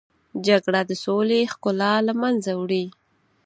جګړه د سولې ښکلا له منځه وړي